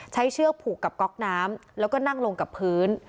เชือกผูกกับก๊อกน้ำแล้วก็นั่งลงกับพื้น